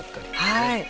はい。